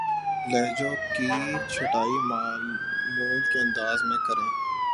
لہجوں کی چھٹائی معمول کے انداز میں کریں